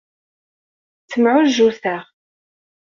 Ttemɛujjuteɣ.